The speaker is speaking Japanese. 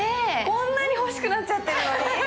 こんなに欲しくなっちゃってるのに？